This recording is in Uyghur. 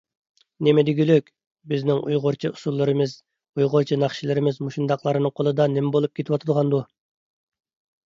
نېمە دېگۈلۈك؟ بىزنىڭ ئۇيغۇرچە ئۇسسۇللىرىمىز، ئۇيغۇرچە ناخشىلىرىمىز مۇشۇنداقلارنىڭ قولىدا نېمە بولۇپ كېتىۋاتىدىغاندۇ؟